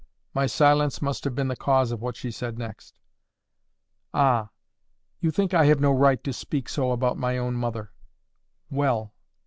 My silence must have been the cause of what she said next. "Ah! you think I have no right to speak so about my own mother! Well!